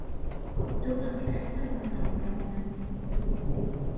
Ddu ɣef leḥsab n leɛmeṛ-nnem.